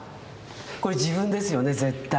これ自分ですよね絶対。